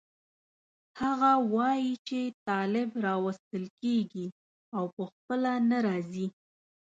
هغه وایي چې طالب راوستل کېږي او په خپله نه راځي.